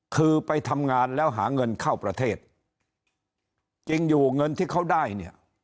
คือไปทำงานแล้วหาเงินเข้าประเทศจริงอยู่เงินที่เขาได้เนี่ย